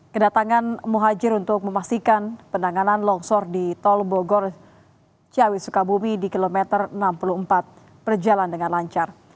kedatangan muhajir untuk memastikan penanganan longsor di tol bogor ciawi sukabumi di kilometer enam puluh empat berjalan dengan lancar